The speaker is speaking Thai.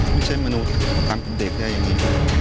ไม่ใช่มนุษย์ตามเป็นเด็กได้อย่างนี้